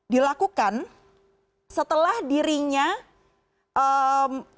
dilakukan setelah dirinya menurunkan